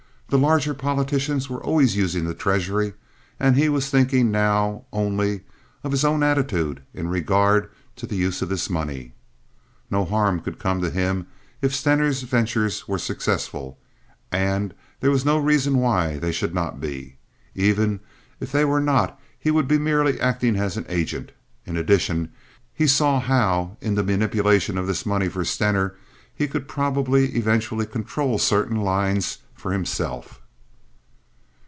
The larger politicians were always using the treasury, and he was thinking now, only, of his own attitude in regard to the use of this money. No harm could come to him, if Stener's ventures were successful; and there was no reason why they should not be. Even if they were not he would be merely acting as an agent. In addition, he saw how in the manipulation of this money for Stener he could probably eventually control certain lines for himself.